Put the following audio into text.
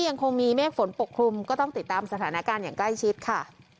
ยังคงมีเมฆฝนปกคลุมก็ต้องติดตามสถานการณ์อย่างใกล้ชิดค่ะ